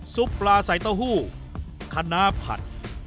ซุปปลาใส่เต้าหู้คันน้าผัด